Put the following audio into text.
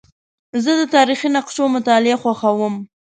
زه د تاریخي نقشو مطالعه خوښوم.